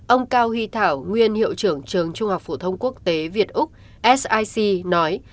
ông cao huy thảo nguyên hiệu trưởng trường trung học phổ thông quốc tế việt úc sic nói